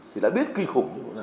thì đã biết kinh khủng